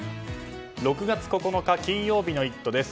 ６月９日、金曜日の「イット！」です。